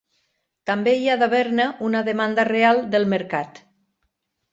També hi ha d'haver-ne una demanda real del mercat.